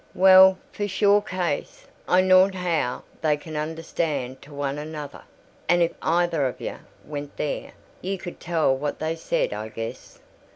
"Well, for sure case, I knawn't how they can understand t' one t'other: and if either o' ye went there, ye could tell what they said, I guess?"